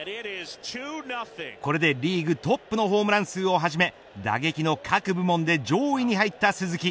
これでリーグトップのホームラン数も始め打撃の各部門で上位に入った鈴木。